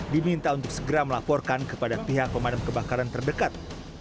diminta untuk segera melaporkan kepada pihak pemadam kebakaran terdekat